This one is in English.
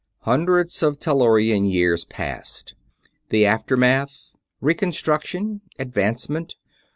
_" _Hundreds of Tellurian years passed. The aftermath. Reconstruction. Advancement.